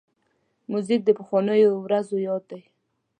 موزیک د پخوانیو ورځو یاد دی.